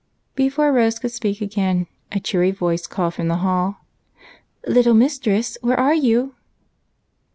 Before Rose could speak again, a cheery voice called from the hall, "Little mistress, where are you?"